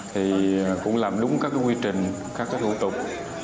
thì cũng làm đúng các quy trình các thủ tục